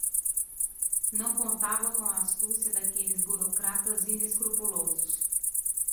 Não contava com a astúcia daqueles burocratas inescrupulosos